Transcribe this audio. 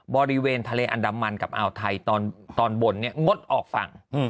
บริเวณทะเลอันดามันกับอ่าวไทยตอนบนงดออกฝั่ง